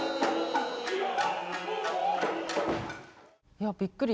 いやびっくり。